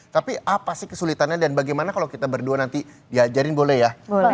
tapi apa sih kesulitannya dan bagaimana kalau kita berdua nanti diajarin boleh ya